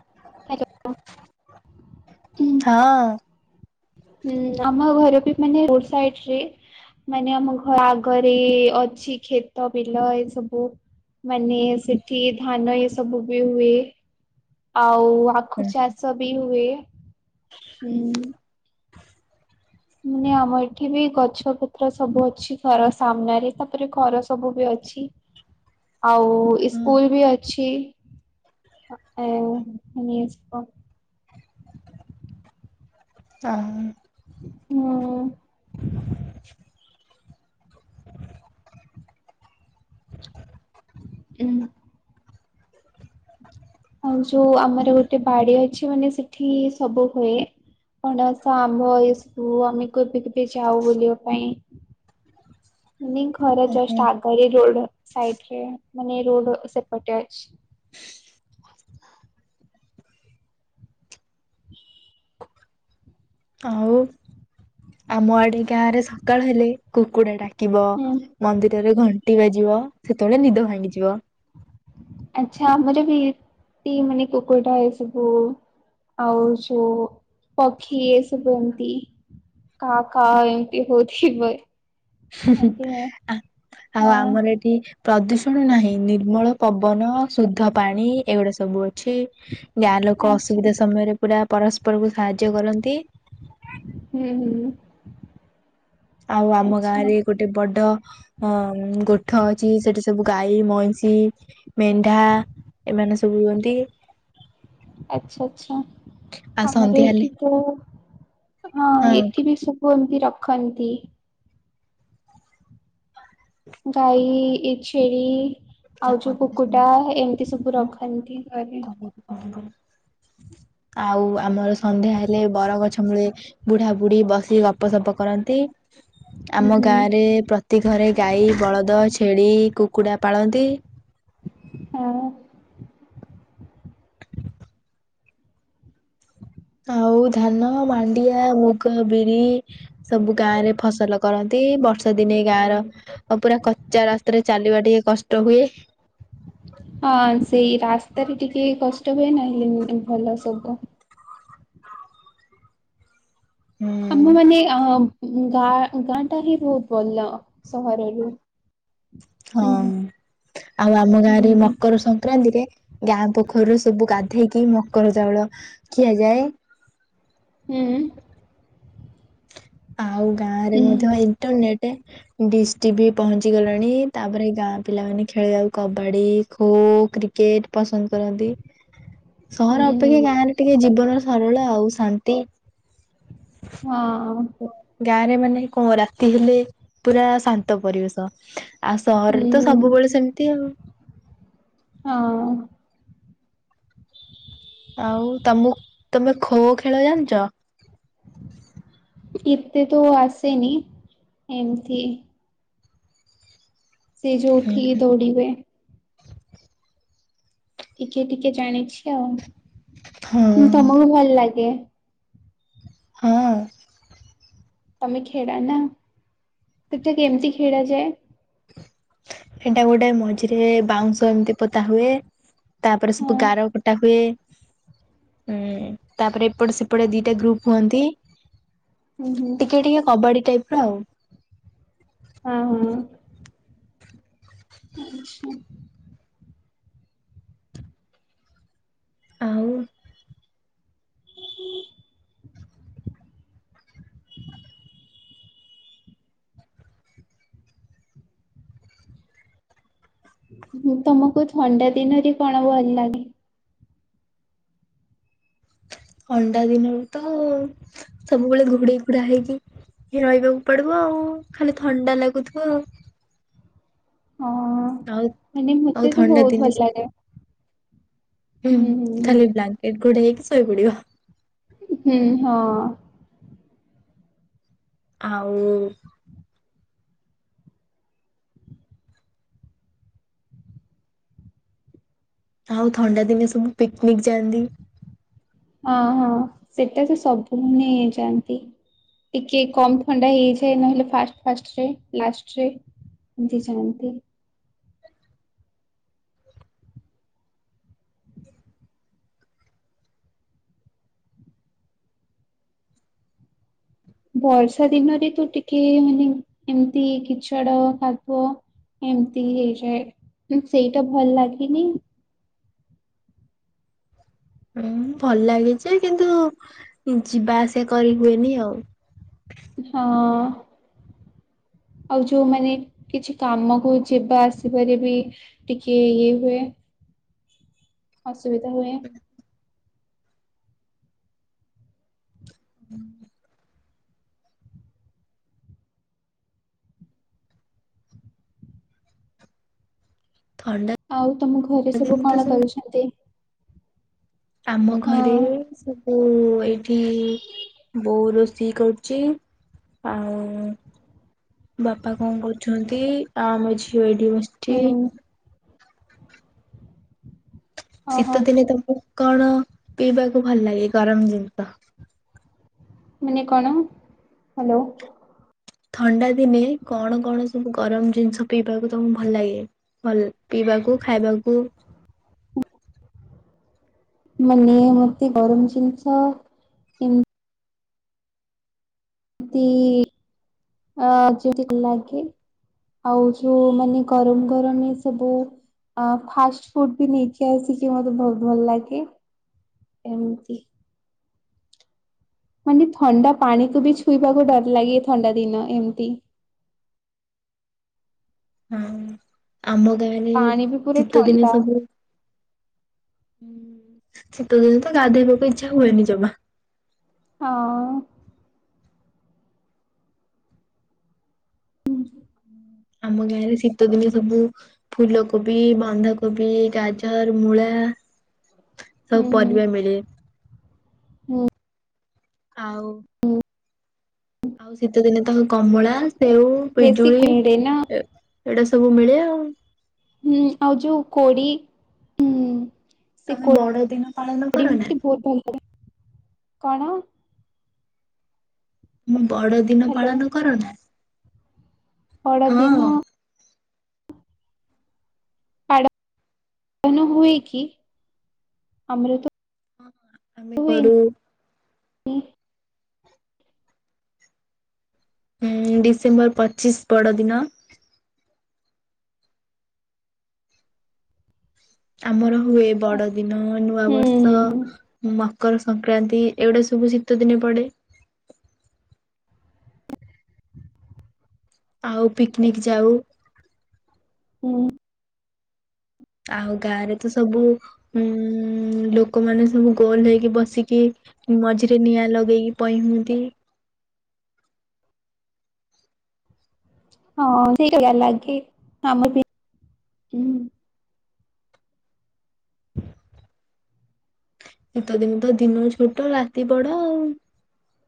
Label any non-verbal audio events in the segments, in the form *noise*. *unintelligible* *unintelligible* ହଁ। ହୁଁ ଆମ ଘର ବି ମାନେ ରୋଡ୍ ସାଇଡ୍ ରେ। ମାନେ ଆମ ଘ ଆଗରେ ଅଛି କ୍ଷେତ ବିଲ ଏସବୁ। ମାନେ ସେଠି ଧାନ ଏସବୁ ବି ହୁଏ ଆଉ ଆଖୁ ଚାଷ ବି ହୁଏ ହୁଁ। ମାନେ ଆମ ଏଠି ବି ଗଛ ପତ୍ର ସବୁ ଅଛି ଖର ସାମ୍ନାରେ ତାପରେ ଖର ସବୁ ବି ଅଛି ଆଉ ଇସ୍କୁଲ୍ ବି ଅଛି। *unintelligible* ଆଁ। ହୁଁ। ଉହୁଁ। ଆଉ ଯୋଉ ଆମର ଗୋଟେ ବାଡି ଅଛି ମାନେ ସେଠି ସବୁ ହୁଏ। ପଣସ ଆମ୍ଭ ଏସବୁ ଆମେ କେବେ କେବେ ଯାଉ ବୁଲିବା ପାଇଁ। *unintelligible* ଘର ଜଷ୍ଟ ଆଗରେ ରୋଡ ସାଇଟ୍ ରେ ମାନେ ରୋଡ ସେପଟେ ଅଛି। ଆଉ ଆମ ଆଡେ ଗାଁ ରେ ସକାଳ ହେଲେ କୁକୁଡା ଡାକିବ। ହୁଁ। ମନ୍ଦିରରେ ଘଣ୍ଟି ବାଜିବ ସେତେବେଳେ ନିଦ ଭାଙ୍ଗିଯିବ। ଆଚ୍ଛା ଆମର ବି ଏଟି ମାନେ କୁକୁଡ଼ାଏ ସବୁ ଆଉ ଯୋଉ ପକ୍ଷୀ ଏ ସବୁ ଏମତି। କା କ ଏମତି ହଉଥିବେ। ହୁଁ ହୁଁ ଆ ଆଉ ଆମର ଏଠି ପ୍ରଦୂଷଣ ନାହିଁ ନିର୍ମଳ ପବନ ଶୁଦ୍ଧ ପାଣି ଏଗୁଡା ସବୁ ଅଛି। ଗାଁ ଲୋକ ଆଚ୍ଛା ଅସୁବିଧା ସମୟରେ ପୁରା ପରସ୍ପରକୁ ସାହାଯ୍ୟ କରନ୍ତି। ହୁଁ ହୁଁ। ଆଉ ଆମ ଆଚ୍ଛା ଗାଁରେ ଗୋଟେ ବଡ ଅ ଗୋଠ ଅଛି ସେଠି ସବୁ ଗାଈ ମଇଁଷି। ମେଣ୍ଢା ଏମାନେ ସବୁ ରୁହନ୍ତି। ଆଛା ଆଚ୍ଛା ଆଉ ଆମର ସନ୍ଧ୍ୟା ହେଲେ ଏଇଠି ତୋ ହଁ ଏଠି ବି ଶବୁ ଏମତି ରଖନ୍ତି। ଗାଈ ଏ ଛେଳି ଆଉ ଯୋଉ କୁକୁଡା ଏମିତି ସବୁ ରଖନ୍ତି ଘରେ। ଆଉ ଆମର ସନ୍ଧ୍ୟା ହେଲେ ବର ଗଛ ମୂଳେ ବୁଢା ବୁଢୀ ବସି ଗପସପ କରନ୍ତି। ହୁଁ ଆମ ହୁଁ ଗାଁ ରେ ପ୍ରତି ଘରେ ଗାଈ ବଳଦ ଛେଳି କୁକୁଡା ପାଳନ୍ତି। *unintelligible* ହଁ। ଆଉ ଧାନ ମାଣ୍ଡିଆ ମୁଗ ବିରି। ସବୁ ଗାଁ ରେ ଫସଲ କରନ୍ତି ବର୍ଷା ଦିନେ ଗାଁର ଆଉ ପୁରା କଚା ରାସ୍ତାରେ ଚାଲିବା ଟିକେ କଷ୍ଟ ହୁଏ। ହଁ ସେଇ ରାସ୍ତାରେ ଟିକେ କଷ୍ଟ ହୁଏ ନହଲେ ଭଲ ସବୁ। ହୁଁ ଆମ ମାନେ ଅ ଗାଁ ଗାଁ ଟାରେ ବହୁତ ଭଲ ସହର ରୁ। ହଁ ଆଉ ଆମ ହୁଁ ଗାଁରେ ମକର ସଂକ୍ରାନ୍ତିରେ ଗାଁ ପୋଖରୀରୁ ସବୁ ଗାଧେଇକି ମକର ଚାଉଳ ଖିଆଯାଏ। ହୁଁ ଉଁ। ଆଉ ଗାଁ ରେ ହୁଁ ମଧ୍ୟ ଇଣ୍ଟରନେଟ୍ ଡିସଟିବି ପହଞ୍ଚି ଗଲାଣି ତାପରେ ଗାଁ ପିଲାମାନେ ଖେଳିବାକୁ କବାଡି ଖୋ କ୍ରି କେଟ୍ ପସନ୍ଦ କରନ୍ତି। *inaudible* ହୁଁ ସହର ଅପେକ୍ଷା ହୁଁ। ଗାଁରେ ଟିକେ ଜୀବନ ସରଳ ଆଉ ଶାନ୍ତି। ହଁ ଅଁ। ଗାଁରେ ମାନେ କଣ ରାତି ହେଲେ ପୁରା ଶାନ୍ତ ପରିବେଶ। ଆଉ ହୁଁ ସହରରେ ତ ହୁଁ ସବୁବେଳେ ସେମିତି ଆଉ। ହଁ ଅଁ। ଆଉ ତମକୁ ତମେ ଖୋ ଖେଳ ଜାଣିଚ? ଏତେତ ଆସେନି ଏମତି। ସେ ଯୋଉଠିକି ଧୌଡିବା। ଟିକେ ଟିକେ ଜାଣିଛି ଆଉ ହଁ କିନ୍ତୁ ତମକୁ ଭଲ ଲାଗେ। ହଁ। ତମେ ଖେଡ଼ନା ତ ଏଟା କେମତି ଖେଳଯାଏ। ଏଟା ଗୋଟେ ମଝିରେ ବାଉଁଶ ଏମିତି ପୋତା ହୁଏ। ତାପରେ ସବୁ ହଁ ଗାର କଟା ହୁଏ। ହୁଁ ତାପରେ ଏପଟେ ସେପଟେ ଦିଟା ଗ୍ରୁପ୍ ହୁଅନ୍ତି। ହୁଁ ହୁଁ ଟିକେ ଟିକେ କବାଡି ଟାଇପ ର ଆଉ। ହଁ ହଁ। ଏ *inaudible* ଆଉ। ଆଉ ହ *inaudible* ମୁଁ ତମକୁ ଥଣ୍ଡା ଦିନରେ କଣ ଭଲ ଲାଗେ? ଥଣ୍ଡା ଦିନରେ ତ ସବୁବେଳେ ଘୋଡେଇ ଘୋଡାଇକି ହେଇକି ରହିବାକୁ ପଡିବ ଆଉ ଖାଲି ଥଣ୍ଡା ଲାଗୁଥିବ ଆଉ। ହଁ। ଆଉ ମାନେ ଆଉ ମତେ ତ ଥଣ୍ଡା ବହୁତ ଦିନେ ଭଲ ସେ ଲାଗେ। ହୁଁ ଖାଲି ବ୍ଲାଙ୍କେଟ ଘୋଡେଇକି ଶୋଇ ପଡିବ। ହୁଁ ହଁ। ଆଉ ଆଉ ଥଣ୍ଡା ଦିନେ ସବୁ ପିକନିକ ଯାଆନ୍ତି। ହଁ ହଁ ସେଟା ସେ ସବୁ ମାନେ ଯାଆନ୍ତି। ଟିକେ କମ ଥଣ୍ଡା ହେଇଯାଏ ନହେଲେ ଫାଷ୍ଟ ଫାଷ୍ଟରେ ଲାଷ୍ଟରେ। ଏମିତି ଜାଣନ୍ତି। ବର୍ଷା ଦିନରେ ତୁ ଟିକେ ମାନେ ଏମିତି କିଛାଡ ଖାବ ଏମତିରେ ହଁ ସେଇଟା ଭଲ ଲାଗିନି। ହୁଁ ଭଲ ଲାଗିଛିଯେ କିନ୍ତୁ ଯିବା ଆସିବା କରି ହୁଏନି ଆଉ। ହଁ। ଆଉ ଯୋଉମାନେ କିଛି କାମକୁ ଯିବାଆସିପାରି ବି ଟିକେ ଇଏ ହୁଏ। ଅସୁବିଧା ହୁଏ। ହ *inaudible* ହୁଁ *inaudible* ଥଣ୍ଡା ଆଉ ତମ ଘରେ ଦିନ ସବୁ ତ କଣ କରୁଛନ୍ତି? ଆମ ହଁ ଘରେ ସବୁ ଏ ଏଠି ବୋହୁ ରୋଷେଇ କରୁଛି। ଆଉ ବାପା କଣ କରୁଛନ୍ତି? ଆ ଆମ ଝିଅ ଏଠି ବସ୍ ହୁଁ। ଓହୋ ଶୀତ ଦିନେ ତମକୁ କଣ ପିଇବାକୁ ଭଲ ଲାଗେ ଗରମ ଜିନିଷ? ମାନେ କଣ ହ୍ୟାଲୋ। ଥଣ୍ଡା ଦିନେ କଣ କଣ ସବୁ ଗରମ ଜିନିଷ ପିଇବାକୁ ତମକୁ ଭଲ ଲାଗେ ଭଲ ପିଇବାକୁ ଖାଇବାକୁ। ମାନେ ମୋତେ ଗରମ ଜିନିଷ। *unintelligible* ଲାଗେ। ଆଉ ଯୋଉ ମାନେ ଗରମ କରନି ସବୁ ଆ ଫାଷ୍ଟ ଫୁଡ ବି ନିଜେ ଆସିକି ମତେ ବହୁତ ଭଲ ଲାଗେ ଏମିତି ମାନେ ଥଣ୍ଡା ପାଣିକୁ ବି ଛୁଇବାକୁ ଡର ଲାଗେ ଥଣ୍ଡା ଦିନ ଏମିତି। ହଁ ଆମ ଗାଁରେ ପାଣି ବି ପୁରା ଶୀତଦିନେ ଥଣ୍ଡା ସବୁ ହୁଁ ଶୀତ ଦିନ ତ ଗାଧୋଇବାକୁ ଇଚ୍ଛା ହୁଏନି ଜମା। ହଁ। ଆମ ଗାଁ ରେ ଶୀତଦିନେ ସବୁ ଫୁଲକୋବି, ବନ୍ଧାକୋବି, ଗାଜର, ମୂଳା, ସବୁ ହୁଁ ହୁଁ ପରିବା ମିଳେ। ହୁଁ। ଆଉ ହୁଁ ଆଉ ଶୀତ ଦିନେ ତ କମଳା, ସେଉ, ବେଶୀ ପିଜୁଳି କୁହୁଡେ ନା ଏ ଏଇଟା ସବୁ ମିଳେ ଆଉ। ହୁଁ ଆଉ ଯୋଉ କୋଡ଼ି ହୁଁ। ସେ ତମେ କୋ ବଡ ଦିନ ପାଳନ କର ନା *unintelligible* ବହୁତ ଭଲ କଣ? ମୁଁ ବଡ ଦିନ ହ୍ୟାଲୋ ପାଳନ କର ନା? ହଁ ବଡଦିନ! ପାଡ ପାଲାନ ହୁଏ କି? ଆମର ତ ହଁ ଆମେ କରୁ। ହୁଏନି ହୁଁ ଡିସେମ୍ବର ପଚିଶ ବଡ଼ଦିନ। ଆମର ହୁଏ ବଡ ଦିନ ନୂଆ ହୁଁ ହୁଁ ବର୍ଷ ହୁଁ ମ ମକର ସଂକ୍ରାନ୍ତି ଏଗୁଡା ସବୁ ଶୀତ ଦିନେ ପଡେ। ଆଉ ପିକନିକ ଯାଉ। ହୁଁ। ଆଉ ଗାଁ ରେ ତ ସବୁ ଉଁ *inaudible* ଲୋକମାନେ ସବୁ ଗୋଲ ହେଇକି ବସିକି ମଝିରେ ନିଆଁ ଲଗେଇକି ପଇଁ ହୁଅନ୍ତି। ହଁ ସେକିଆ ଲାଗେ କାମ ବି ହୁଁ। ଶୀତ ଦିନ ତ ଦିନ ଛୋଟ ରାତି ବଡ ଆଉ।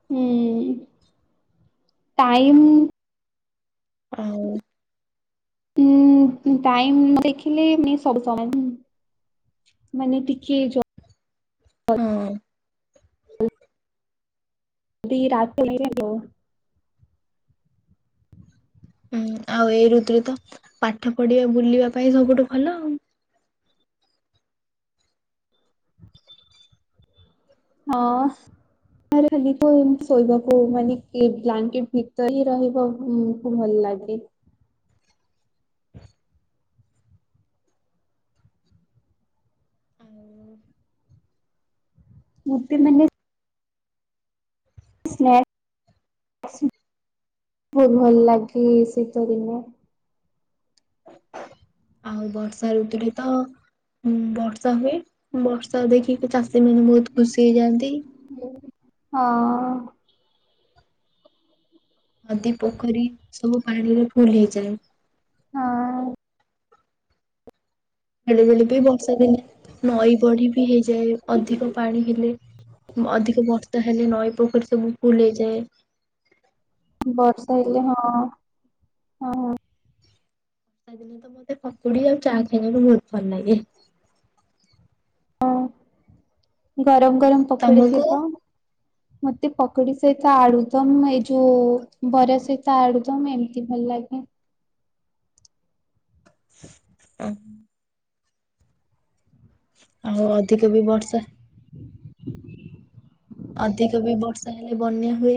ହଁ ଟାଇମ୍ ଆଉ। ହୁଁ ଟାଇମ ନ ଦେଖିଲେ ମିନ୍ସ ସବୁ *unintelligible* ମାନେ ଟିକିଏ ହଁ। ଯଦି ରାତିରେ *inaudible* ହୁଁ ଆଉ ଏଇ ଋତୁ ରେ ତ ପାଠ ପଢିବା ବୁଲିବା ପାଇଁ ସବୁଠୁ ଭଲ ଆଉ। ହଁ। ବାହାରେ ଖାଲି *unintelligible* ଶୋଇବାକୁ ମାନେ ବ୍ଲାଙ୍କେଟ ଭିତରେ ହି ରହିବ ଉଁ। ଭଲ ଲାଗେ। ମତେ ମାନେ *inaudible* ବହୁତ ଭଲ ଲାଗେ ଶୀତ ଦିନେ। ଆଉ ବର୍ଷା ଋତୁରେ ତ ହୁଁ ବର୍ଷା ହୁଏ ବର୍ଷା ଦେଖିକି ଚାଷୀ ମାନେ ବହୁତ ଖୁସି ହେଇଯାଆନ୍ତି। ହଁ। ନଦୀ ପୋଖରୀ ସବୁ ପାଣି ରେ ଫୁଲ ହେଇଯାଏ। ହଁ। ବେଳେ ବେଳେ ବି ବର୍ଷା ଦିନେ ନଈ ବଢି ବି ହେଇଯାଏ ଅଧିକ ପାଣି ହେଲେ ଅଧିକ ବର୍ଷା ହେଲେ ନଈ ପୋଖରୀ ସବୁ ଫୁଲ ହେଇ ଯାଏ। ବର୍ଷା ହେଲେ ହଁ, ହଁ, ହଁ। ବର୍ଷା ଦିନେ ତ ମୋତେ ପକୁଡି ଆଉ ଚା ଖାଇବାକୁ ବହୁତ ଭଲ ଲାଗେ। ହ ଗରମ ଗରମ ପକୁଡି ତମକୁ? ଥିବ। ମତେ ପକୁଡି ସହିତ ଆଳୁଦମ ଏ ଯୋଉ ବରା ସହିତ ଆଳୁଦମ ଏମତି ଭଲ ଲାଗେ। *unintelligible* ଆଉ ଅଧିକ ବି ବର୍ଷା ଅଧିକ ବି ବର୍ଷା ହେଲେ ବନ୍ୟା ହୁଏ।